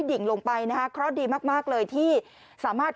ดิ่งลงไปนะคะเคราะห์ดีมากมากเลยที่สามารถ